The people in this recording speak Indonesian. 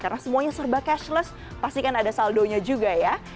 karena semuanya serba cashless pastikan ada saldonya juga ya